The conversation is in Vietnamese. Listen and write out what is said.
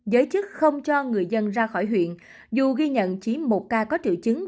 giới chức không cho người dân ra khỏi huyện dù ghi nhận chỉ một ca có triệu chứng